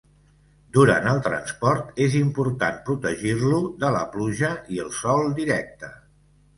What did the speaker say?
Durant el transport és important protegir-lo de la pluja i el sol directe.